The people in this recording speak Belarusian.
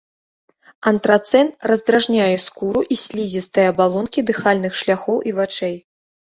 Антрацэн раздражняе скуру і слізістыя абалонкі дыхальных шляхоў і вачэй.